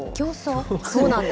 そうなんです。